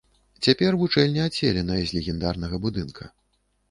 Цяпер вучэльня адселеная з легендарнага будынка.